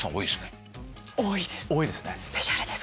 多いですね。